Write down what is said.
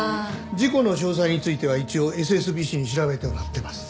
事故の詳細については一応ＳＳＢＣに調べてもらってます。